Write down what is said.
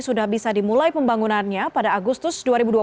sudah bisa dimulai pembangunannya pada agustus dua ribu dua puluh